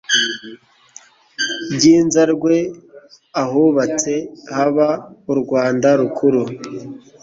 Byinzarwe ahubatse Haba u Rwanda-rukuru.